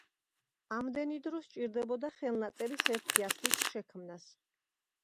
ამდენი დრო სჭირდებოდა ხელნაწერის ერთი ასლის შექმნას.